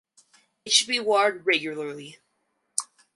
It should be watered regularly.